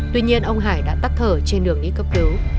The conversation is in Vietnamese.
tuy nhiên ông hải đã tắc thở trên đường đi cấp cứu